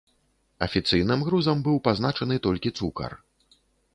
Афіцыйным грузам быў пазначаны толькі цукар.